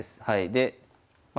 でまあ